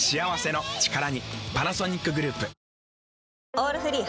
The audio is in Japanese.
「オールフリー」